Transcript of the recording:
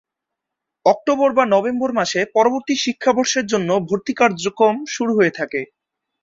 October বা November মাসে পরবর্তী শিক্ষাবর্ষের জন্য ভর্তি কার্যক্রম শুরু হয়ে থাকে।